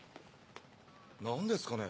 何ですかね？